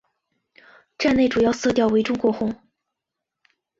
站内主要色调为中国红。